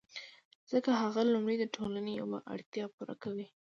ځکه هغه لومړی د ټولنې یوه اړتیا پوره کوي